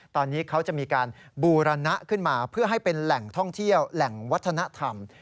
ตอนนี้เขาจะมีการบูรณะขึ้นมาเพื่อให้เป็นแหล่งท่องเที่ยวแหล่งวัฒนธรรม